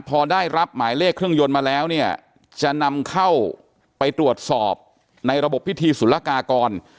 พอได้รับหมายเลขเครื่องยนต์มาแล้วเนี่ยจะนำเข้าไปตรวจสอบในระบบพิธีศุลกากร